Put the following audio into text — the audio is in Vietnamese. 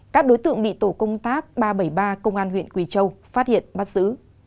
các đối tượng bị tổ công tác ba trăm bảy mươi ba công an huyện quỳ châu phát hiện bắt giữ